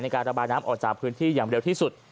การระบายน้ำออกจากพื้นที่อย่างเร็วที่สุด